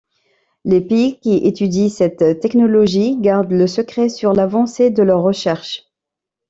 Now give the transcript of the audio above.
Les pays qui étudient cette technologie gardent le secret sur l'avancée de leurs recherches.